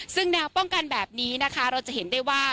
ซึ่งแนวป้องกันแบบนี้นะคะเราจะเห็นได้ว่า